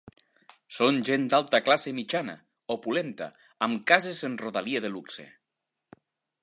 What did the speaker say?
Són gent d'alta classe mitjana, opulenta amb cases en rodalia de luxe.